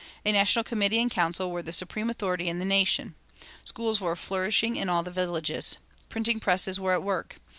A national committee and council were the supreme authority in the nation. Schools were flourishing in all the villages. Printing presses were at work....